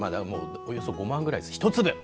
およそ５万くらい、１粒。